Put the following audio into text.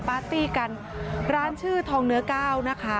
ปาร์ตี้กันร้านชื่อทองเนื้อก้าวนะคะ